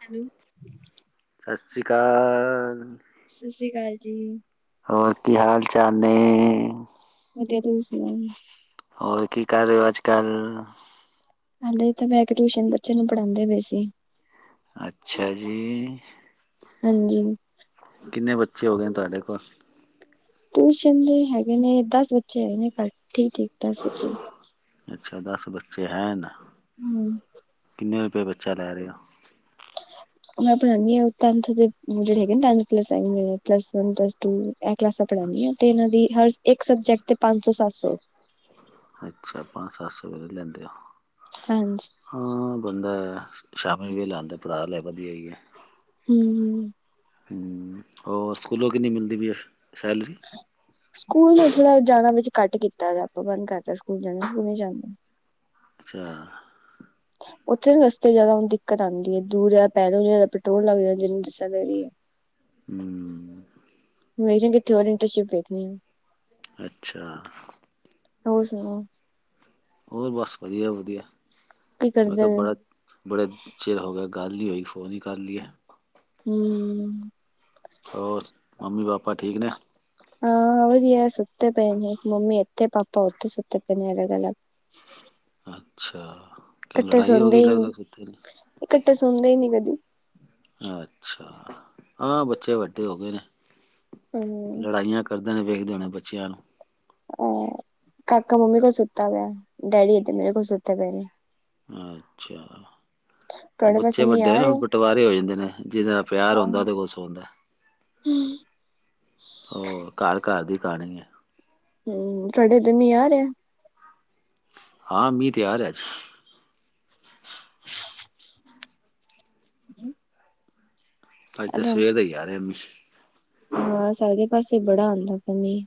Hello. ਸਸ ਸੀਕਾਲ। ਸਸੀਕਾਲ ਜੀ। ਹੋਰ ਕੀ ਹਾਲ -ਚਾਲ ਨੇ? ਵਧੀਆ ਤੁਸੀਂ ਸੁਣਾਓ? ਹੋਰ ਕੀ ਕਰ ਰਹੇ ਓ ਅੱਜ ਕੱਲ? ਹਲੇੇ ਤਾਂ ਬਹਿ ਕੇ ਟਿਊਸ਼ਨ ਬਚਿਆ ਨੂੰ ਪੜ੍ਹਾਦੇ ਪਏ ਸੀ। ਅੱਛਾ ਜੀ। ਹਾਂਜੀ। ਕਿੰਨੇ ਬੱਚੇ ਹੋ ਗਏ ਨੇ। ਤੁਹਾਡੇ ਕੋਲ? ਟਿਊਸ਼ਨ ਦੇ ਹੈਗੇ ਨੇ ਦਸ ਬੱਚੇ ਹੈਗੇ ਨੇ। ਘੱਟ ਠੀਕ-ਠੀਕ ਦਸ ਬੱਚੇ। ਅੱਛਾ ਦਸ ਬੱਚੇ ਹੈ ਨ। ਹਮ। ਮੈਂ ਬੱਚਾ ਲੈ ਰਿਹਾ ਹੈ। ਉਹ ਮੈਂ ਆਪਣਾਉਂਦੀ ਆਂ ਤਨਥ ਦੇ ਜਿਹੜੇ ਹੈਗੇ ਤਨਥ ਪਲਸ ਵਨ ਪਲਸ ਦੇ। ਤੂੰ ਇਹ ਕਲਾਸਾਂ ਪੜ੍ਹਾਉਂਦੀ ਆ। ਤੇ ਇਹਨਾਂ ਦੀ ਹਰ ਇੱਕ ਸਬਜੈਕਟ ਤੇ ਪੰਜ ਸੌ ਸੱਤ ਸੌ। ਅੱਛਾ ਪੰਜ ਸੱਤ ਸੌ ਵੀ ਲੈਂਦੇ ਹੋ। ਹਾਂਜੀ। ਹਾਂ ਬੰਦਾ ਸ਼ਾਮੀ ਵੇਹ ਲ ਆਉਂਦਾ ਪੜਾਅ ਲੈ ਵਧੀਆ ਈਏ। ਹਮ। ਹਮ ਰ ਸਕੂਲੋਂ ਕਿੰਨੀ ਮਿਲਦੀ ਪਈ ਸੈਲਰੀ। ਸਕੂਲ ਤੋਂ ਥੋੜਾ ਜਾਣਾ ਵਿੱਚ ਘੱਟ ਕੀਤਾ। ਆਪਾਂ ਮਨ ਕਰਦਾ ਸਕੂਲ ਜਾਂਦੇ ਸਕੂਲ ਨਹੀਂ ਜਾਂਦੇ। ਅੱਛਾ। ਉੱਥੇ ਰਸਤੇ ਜਿਆਦਾ ਹੁਣ ਦਿੱਕਤ ਆਂਦੀ ਹੈ। ਦੂਰ ਜਿਆਦਾ ਪੈਲੁੰਦਾ ਪੈਟਰੋਲ ਲੱਗਦੇ ਜਿਹਨੂੰ ਦ ਹੈ। ਹਮ। ਵੇਖਦੇ ਕਿੱਥ ਹੋਰ ਇੰਟਰਸ਼ਿਪ ਵੇਖਣੀ ਆ। ਅੱਛਾ। ਹੋ ਸੁਣਾਓ। ਹੋਰ ਬਸ ਵਧੀਆ -ਵਧੀਆ। ਕੀ ਮੈਂ ਕਰਦੇ ਕਿਹਾ ਪਏ ਹੋ ਬੜਾ। ਬੜੇ ਚਿਰ ਹੋ ਗਿਆ ਗੱਲ ਨਹੀਂ ਹੋਈਗੀ। ਫੋਨ ਹੀ ਕਰ ਲਈਏ। ਹਮ। ਹੋਰ ਮੰਮੀ -ਪਾਪਾ ਠੀਕ ਨੇ। ਹਾਂ ਵਧੀਆ ਸੁੱਤੇ ਪਏ ਨੇ। ਮੰਮੀ ਇੱਥੇ ਪਾਪਾ ਉੱਥੇ ਸੁੱਤੇ ਪਏ ਨੇ ਅਲੱਗ -ਅਲੱਗ। ਅੱਛਾ ਕਿ ਇਕੱਠੇ ਲੜਾਈ ਹੋ ਸੌਂਦੇ ਗਈ। ਹੀ ਨੀ ਇਕੱਠੇ ਸੁਣਦੇ ਹੀ ਨੀ ਕਦੀ। ਅੱਛਾ ਹਾਂ ਬੱਚੇ ਵੱਡੇ ਹੋ ਗਏ ਨੇ ਹਮ ਲੜਾਈਆਂ। ਕਰਦੇ ਨੇ ਵੇਖਦੇ ਹੋਣੇ ਬੱਚਿਆਂ ਨੂੰ। ਅਹ ਕਾਕਾ ਮੰਮੀ ਕੋਲ ਸੁੱਤਾ ਪਿਆ। ਡੈਡੀ ਏ ਤੇ ਮੇਰੇ ਕੋਲ ਸੁੱਤੇ ਪਏ ਨੇ। ਅੱਛਾ। ਉਹ ਤੁਹਾਡੇ ਬੱਚੇ ਪਾਸੇ ਮੀਂਹ ਵੱਡੇ ਹੋਏ ਆ ਨੇ ਰਿਹਾ ਪਟਵਾਰੇ ਹੋ ਜਾਂਦੇ ਨੇ। ਜਿਹਦੇ ਨਾਲ ਪਿਆਰ ਹੁੰਦੇ ਕੋਲ ਸੌਂਦਾ। ਹਮ। ਉਹ ਘਰ -ਘਰ ਦੀ ਕਹਾਣੀ ਹੈ। ਹਮ ਤੁਹਾਡੇਦ ਮ ਯਾਰ ਆ। ਹਾਂ ਮੀਂਹ ਤਿਆਰ ਹੈ। ਅੱਜ ਤਾਂ ਹੈਲੋ ਸਵੇਰੇ ਦਾ ਹੀ ਆ ਰਿਹਾ ਮੀਂਹ। ਹਾਂ ਸਾਰੇ ਪਾਸੇ ਬੜਾ ਆਉਂਦਾ ਪਿਆ ਮੀਂਹ।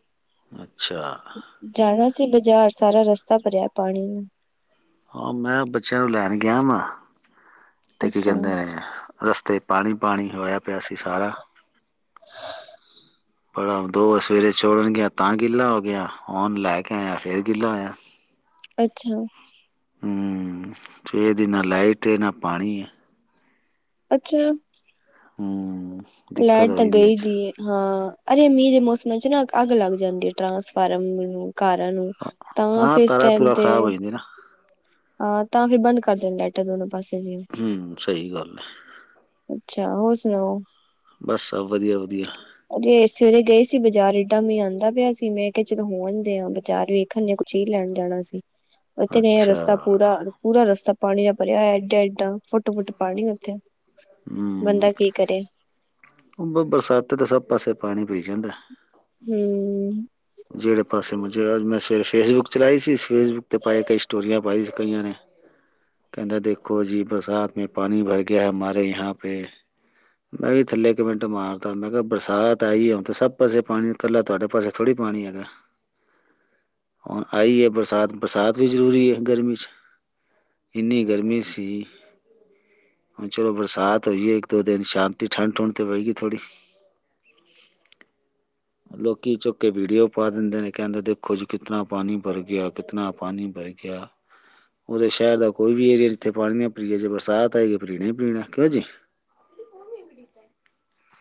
ਅੱਛਾ। ਜਾਣਾ ਸੀ ਬਾਜ਼ਾਰ ਸਾਰਾ ਰਸਤਾ ਭਰਿਆ ਪਾਣੀ ਨਾਲ। ਹਾਂ ਮੈਂ ਬੱਚਿਆਂ ਨੂੰ ਲੈਣ ਗਿਆ ਵਾ। ਤੇ ਕੀ ਅੱਛਾ ਕਹਿੰਦੇ ਨੇ। ਰਸਤੇ ਪਾਣੀ ਪਾਣੀ ਹੋਇਆ ਪਿਆ ਸੀ। ਸਾਰਾ ਬੜਾ ਦੋ ਸਵੇਰੇ ਛੜਨ ਗਿਆ। ਤਾਂ ਗਿੱਲਾ ਹੋ ਗਿਆ ਨ ਲੈ ਕੇ ਆਇਆ। ਫੇਰ ਗਿੱਲਾ ਹੋਇਆ। ਅੱਛਾ। ਹਮ ਠੀਕ ਲਾਈਟੇ ਨਾ ਪਾਣੀ ਏ। ਅੱਛਾ। ਹੂੰ, ਲਾਈਟ ਤਾਂ ਗਈ ਜੀ, ਹਾਂ ਅਜੇ ਮੀਹ ਦੇ ਮੌਸਮ ਚ ਨਾ ਅੱਗ ਲੱਗ ਜਾਂਦੀ ਏ। ਟ੍ਰਾਂਸਫਾਰਮ ਨੂੰ, ਕਾਰਾਂ ਨੂੰ, ਤਾਂ ਹਾਂ ਫਿਰ ਇਸ ਤਾਰਾ ਟਾਈਮ ਤੂਰਾ ਤੇ ਖ਼ਰਾਬ ਹੋ ਜਾਂਦੀ ਨਾ ਆਹ ਤਾਂ ਫਿਰ ਬੰਦ ਕਰ ਦੇਣ, ਲਾਈਟਾਂ ਦੋਨੋ ਪਾਸੇ ਵੀ। ਹਮ ਸਹੀ ਗੱਲ ਹੈ ਅੱਛਾ, ਹੋਰ ਸੁਣਾਓ। ਬਸ ਸਭ ਵਧੀਆ-ਵਧੀਆ। ਅਜੇ ਸਵੇਰੇ ਗਏ ਸੀ ਬਜ਼ਾਰ ਏਡਾ ਮੀਂਹ ਆਂਦਾ ਪਿਆ ਸੀ, ਮੈਂ ਕਿਹਾ ਚਲੋ ਹੋ ਆਂਦੇ ਆਂ ਬਾਜ਼ਾਰ ਵੇਖਣਦੇ ਆਂ ਕੁ ਚੀ ਲੈਣ ਜਾਣਾ ਸੀ। [unintelligible] ਏਥੇ ਗਏ ਆਂ, ਰਸਤਾ ਅੱਛਾ ਪੂਰਾ-ਪੂਰਾ ਰਸਤਾ ਪਾਣੀ ਦਾ ਭਰਿਆ ਹੋਇਆ, ਐਡਾ-ਐਡਾ। ਫੁੱਟ-ਫੁੱਟ ਪਾਣੀ ਉੱਥੇ, ਬੰਦਾ ਕੀ ਕਰੇ। ਬਰਸਾਤ ਦੇ ਸਭ ਪਾਸੇ ਪਾਣੀ ਪਈ ਜਾਂਦਾ। ਹੂੰ। ਜਿਹੜੇ ਪਾਸੇ ਮੁਝੇ ਮੈਂ ਸਵੇਰੇ ਫੇਸਬੁੱਕ ਚਲਾਈ ਸੀ, ਫੇਸਬੁੱਕ ਤੇ ਪਾਏ, ਕਈ ਸਟੋਰੀਆਂ ਪਾਈ ਸੀ ਕਈਆਂ ਨੇ। ਕਹਿੰਦਾ ਦੇਖੋ ਜੀ, ਬਰਸਾਤ ਮੈਂ ਪਾਣੀ ਭਰ ਗਿਆ, ਹਮਾਰੇ ਯਹਾਂ ਪੇ। ਮੈਂ ਵੀ ਥੱਲੇ ਕਮੈਂਟ ਮਾਰਤਾ, ਮੈਂ ਕਿਹਾ ਬਰਸਾਤ ਆਈ ਆ, ਤੇ ਸਭ ਪਾਸੇ ਪਾਣੀ ਇਕੱਲਾ ਤੁਹਾਡੇ ਪਾਸੇ ਥੋੜ੍ਹੀ ਪਾਣੀ ਹੈਗਾ। ਹੁਣ ਆਈ ਐ ਬਰਸਾਤ, ਬਰਸਾਤ ਵੀ ਜ਼ਰੂਰੀ ਐ ਗਰਮੀ ਚ। ਇੰਨੀ ਗਰਮੀ ਸੀ। ਹੁਣ ਚਲੋ ਬਰਸਾਤ ਹੋਈ ਏ, ਇੱਕ ਦੋ ਦਿਨ ਸ਼ਾਂਤੀ ਠੰਡ ਠੁੰਡ ਤੇ ਹੋਏਗੀ ਥੋੜੀ। ਲੋਕੀ ਚੁ ਕੇ ਵੀਡੀਓ ਪਾ ਦਿੰਦੇ ਨੇ, ਕਹਿੰਦੇ ਦੇਖੋ ਜੀ ਕਿਤਨਾ ਪਾਣੀ ਬਰ ਗਿਆ, ਕਿਤਨਾ ਪਾਣੀ ਬਰ ਗਿਆ। ਉਹ ਤਾਂ ਸ਼ਹਿਰ ਦਾ ਕੋਈ ਵੀ ਏਰੀਆ ਜਿੱਥੇ ਪਾਣੀ ਨਾ ਪੀਈਏ, ਜੇ ਬਰਸਾਤ ਆਈ ਐ ਪੀਣਾ ਹੀ ਪੀਣਾ, ਕਿਉਂ ਜੀ।